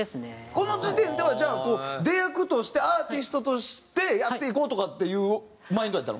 この時点ではじゃあ出役としてアーティストとしてやっていこうとかっていうマインドやったの？